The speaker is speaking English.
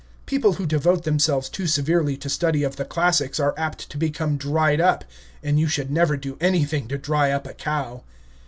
People who devote themselves too severely to study of the classics are apt to become dried up; and you should never do anything to dry up a cow.